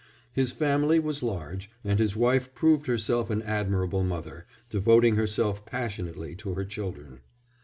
His family was large, and his wife proved herself an admirable mother, devoting herself passionately to her children.